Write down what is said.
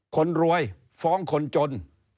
คนรวยฟ้องคนจน